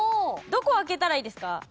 どこあけたらいいですか？